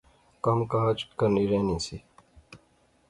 کم کاج کرنی رہنی سی